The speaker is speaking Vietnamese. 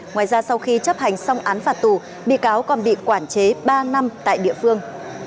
ngoài ra sau khi chấp hành xong án phạt tù bị cáo còn bị quản chế ba năm tại địa phương